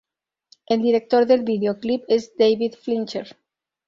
El director del videoclip es David Fincher.